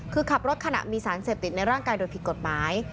คือขับรถขณะมีสารเสพติดในร่างกายโดยผิดกฎหมาย